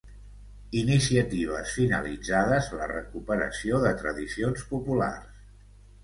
iniciatives finalitzades a la recuperació de tradicions populars